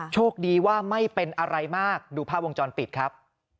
โชคดีว่าไม่เป็นอะไรมากดูภาพวงจรปิดครับ